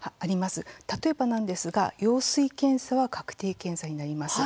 例えばなんですが羊水検査は確定検査になります。